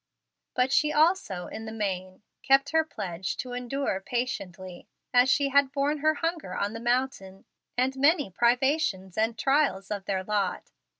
But she also, in the main, kept her pledge to endure patiently, as she had borne her hunger on the mountain, and many privations and trials of their lot.